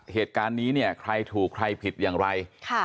เหตุการณ์นี้เนี่ยใครถูกใครผิดอย่างไร